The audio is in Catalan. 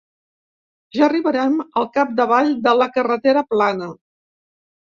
Ja arribarem al cap-d'avall de la carretera plana.